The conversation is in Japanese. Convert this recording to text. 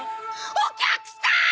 お客さーん！